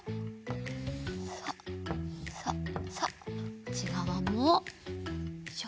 こっちがわもよいしょ。